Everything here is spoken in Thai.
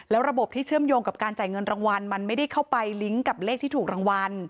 แล้วระบบที่เชื่อมโยงกับการจ่ายเงินรางวัลมันไม่ได้เข้าไปลิงก์กับเลขที่ถูกรางวัล